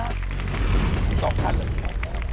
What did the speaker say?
ทั้งสองท่านเลย